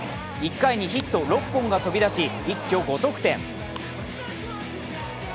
１回にヒットを６本飛び出し一挙５得点。